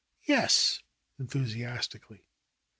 "Yes," enthusiastically.